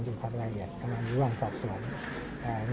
อยู่ทางรายละเอียดทางร่วมสอบสวน